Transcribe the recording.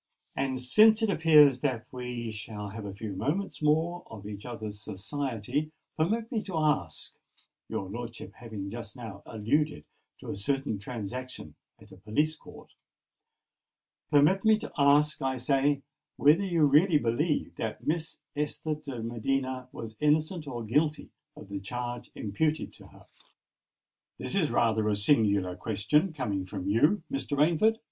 And since it appears that we shall have a few moments more of each other's society, permit me to ask,—your lordship having just now alluded to a certain transaction at a police court,—permit me to ask, I say, whether you really believe that Miss Esther de Medina was innocent or guilty of the charge imputed to her?" "This is rather a singular question—coming from you, Mr. Rainford!"